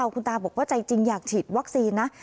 คุณตาบอกว่าใจจริงอยากฉีดวัคซีนนะ